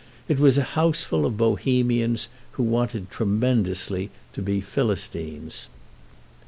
It was a houseful of Bohemians who wanted tremendously to be Philistines.